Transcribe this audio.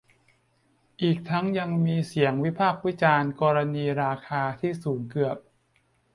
อีกทั้งยังมีเสียงวิพากษ์วิจารณ์กรณีราคาที่สูงเกือบ